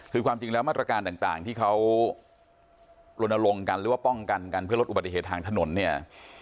คือความจริงแล้วมาตรการต่างที่เขาลนลงกันหรือว่าป้องกันกันเพื่อลดอุบัติเหตุทางถนนเนี่ย